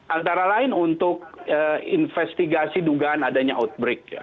antara lain untuk investigasi dugaan adanya outbreak ya